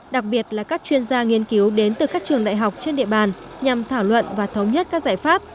đặc biệt là các chuyên gia nghiên cứu đến từ các trường đại học trên địa bàn nhằm thảo luận và thống nhất các giải pháp